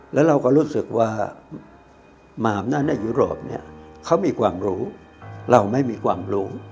แล้วเราก็รู้สึกว่ามหาอำนาจในยุโรปเนี่ยเขามีความรู้เราไม่มีความรู้